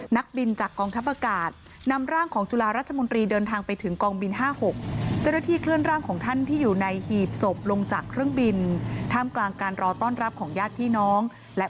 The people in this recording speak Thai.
นักบินจากกองทัพอากาศนำร่างของจุฬาราชมนตรีเดินทางไปถึงกองบิน๕๖